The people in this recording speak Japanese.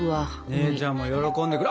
姉ちゃんも喜んでくれ。